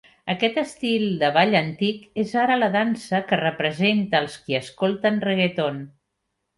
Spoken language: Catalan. Aquest estil de ball antic és ara la dansa que representa els qui escolten reggaeton.